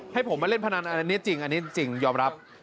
ให้ผมมาเล่นพนันอันนี้จริงยอมรับ